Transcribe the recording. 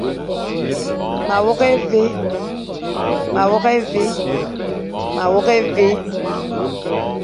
Ma wôkh évé.